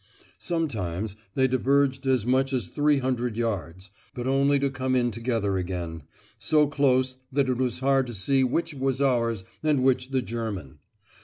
Sometimes they diverged as much as three hundred yards, but only to come in together again, so close that it was hard to see which was ours and which the German.